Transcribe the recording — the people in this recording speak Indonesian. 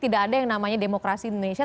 tidak ada yang namanya demokrasi indonesia